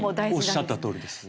おっしゃったとおりです。